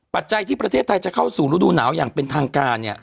ปัจจัยที่ประเทศไทยจะเข้าสู่ฤดูหนาวอย่างเป็นทางการเนี่ย